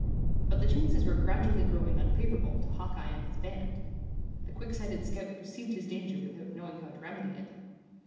But the chances were gradually growing unfavorable to Hawkeye and his band. The quick sighted scout perceived his danger without knowing how to remedy it.